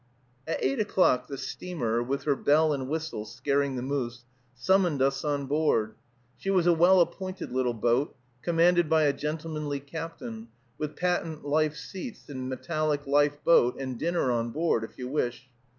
At eight o'clock the steamer, with her bell and whistle, scaring the moose, summoned us on board. She was a well appointed little boat, commanded by a gentlemanly captain, with patent life seats and metallic life boat, and dinner on board, if you wish.